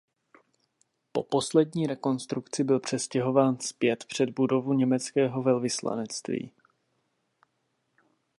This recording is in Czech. Po poslední rekonstrukci byl přestěhován zpět před budovu německého velvyslanectví.